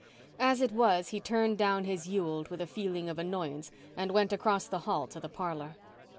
As it was, he turned down his Ewald with a feeling of annoyance and went across the hall to the parlour.